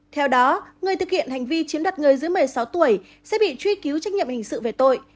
theo đó người thực hiện hành vi chiếm đoạt người dưới một mươi sáu tuổi sẽ bị truy cứu trách nhiệm hình sự về tội